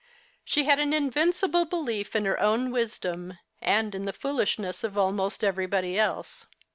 81ie had an invincible belief in her own wisdom, and in the foolishness of almost everybody else.